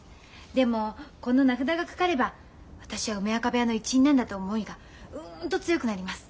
でもこの名札が掛かれば私は梅若部屋の一員なんだという思いがうんと強くなります。